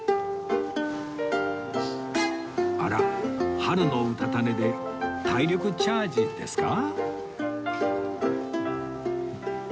あら春のうたた寝で体力チャージですか？